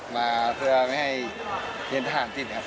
มาเพื่อไม่ให้เรียนทหารติดครับ